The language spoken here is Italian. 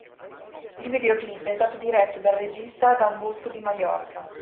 Il videoclip è stato diretto dal regista da un bosco di Maiorca.